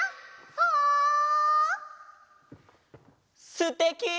すてき！